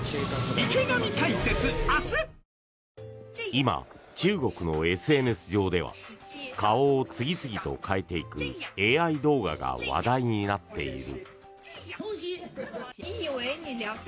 今、中国のＳＮＳ上では顔を次々と変えていくＡＩ動画が話題になっている。